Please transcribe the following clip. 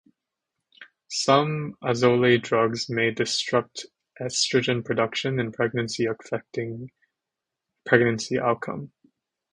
Some azole drugs may disrupt estrogen production in pregnancy, affecting pregnancy outcome.